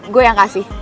gue yang kasih